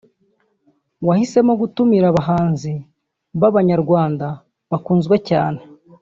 wahisemo gutumira abahanzi b’Abanyarwanda bakunzwe cyane